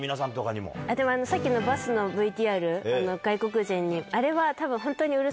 でもさっきのバスのＶＴＲ外国人にあれは多分。